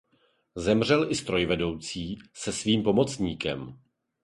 Zemřel i strojvedoucí se svým pomocníkem.